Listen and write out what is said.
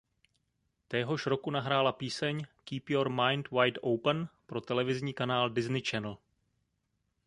Téhož roku nahrála píseň „Keep Your Mind Wide Open“ pro televizní kanál Disney Channel.